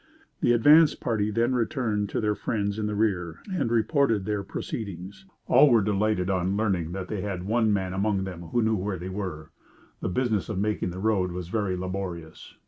The advance party then returned to their friends in the rear and reported their proceedings. All were delighted on learning that they had one man among them who knew where they were. The business of making the road was very laborious.